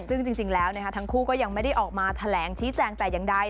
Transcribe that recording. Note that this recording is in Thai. ซึ่งจริงแล้วทั้งคู่ก็ยังไม่ได้ออกมาแถลงชี้แจงแต่อย่างใด